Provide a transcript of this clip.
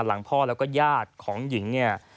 หลังพ่อแล้วก็ญาติของหญิงเนี่ย